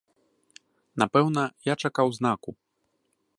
Напэўна, я чакаў знаку.